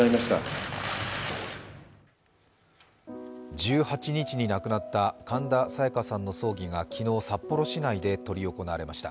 １８日に亡くなった神田沙也加さんの葬儀が昨日札幌市内で執り行われました。